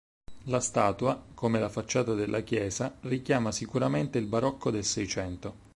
La statua, come la facciata della chiesa, richiama sicuramente il barocco del seicento.